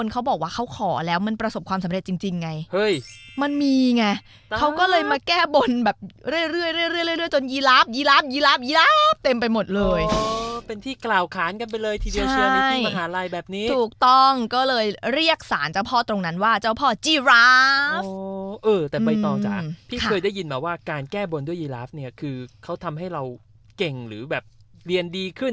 ก็เลยทำตามต่อกันมากลายเป็นลัดที่อีกหนึ่งลัดที่การถวายม้าลาย